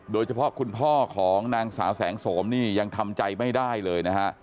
โดยเฉพาะคุณพ่อของนางสาวแสงสมนี่ยังทำใจไม่ได้เลยนะฮะ